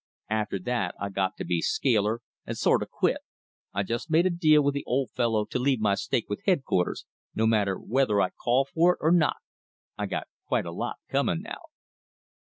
After that I got to be scaler, and sort've quit. I just made a deal with the Old Fellow to leave my stake with headquarters no matter whether I call for it or not. I got quite a lot coming, now."